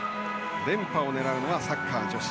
連覇を狙うのはサッカー女子。